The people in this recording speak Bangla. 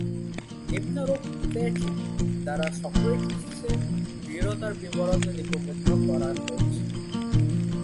নিম্নরূপ প্লেটো দ্বারা সক্রেটিসের দৃঢ়তার বিবরণ লিপিবদ্ধ করা হয়েছে।